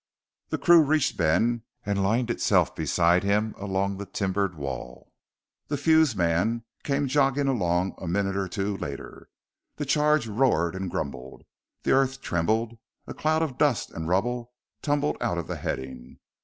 The crew reached Ben and lined itself beside him along the timbered wall. The fuse man came jogging along a minute or two later. The charge roared and grumbled. The earth trembled. A cloud of dust and rubble tumbled out of the heading.